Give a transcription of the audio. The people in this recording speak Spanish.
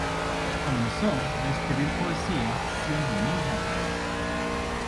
Comenzó a escribir poesía, siendo muy joven.